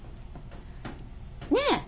ねえ？